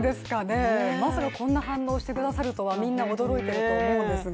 まさかこんな反応をしてくださるとはみんな驚いていると思うんですが。